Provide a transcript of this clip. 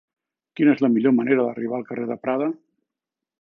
Quina és la millor manera d'arribar al carrer de Prada?